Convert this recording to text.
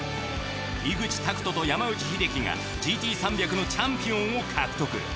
井口卓人と山内英輝がＧＴ３００のチャンピオンを獲得。